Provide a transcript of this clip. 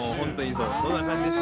そんな感じでした。